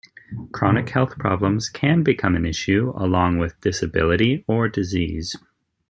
Chronic health problems can become an issue along with disability or disease.